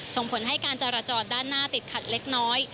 ส่งผลให้การจราจรด้านหน้าติดขัดเล็กน้อย